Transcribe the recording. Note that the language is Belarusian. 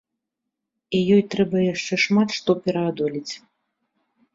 І ёй трэба яшчэ шмат што пераадолець.